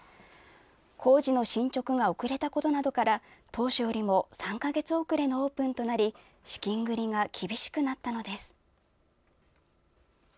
工事の進捗が遅れたことなどから当初よりも３か月遅れのオープンとなり資金繰りが厳しくなったのです。